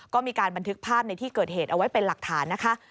ก็มีการบันทึกภาพในที่เกิดเหตุเอาไว้เป็นหลักฐานนะคะ